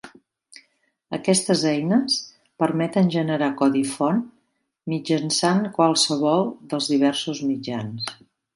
Aquestes eines permeten generar codi font mitjançant qualsevol dels diversos mitjans.